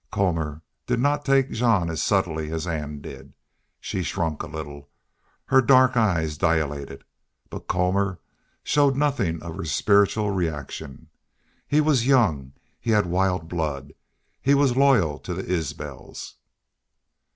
Colmor did not take Jean as subtly as Ann did. She shrunk a little. Her dark eyes dilated. But Colmor showed nothing of her spiritual reaction. He was young. He had wild blood. He was loyal to the Isbels.